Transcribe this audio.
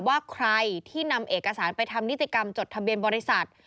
ว่าใครที่นำเอกสารไปทำนิติกรรมจดทะเบียนบริษัท